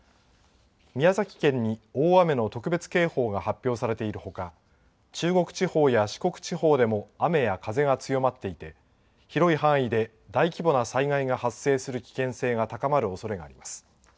宮崎県に大雨の特別警報が発表されているほか、中国地方や四国地方でも雨や風が強まっていて、広い範囲で大規模な災害が発生する危険性が高まるおそれがあります。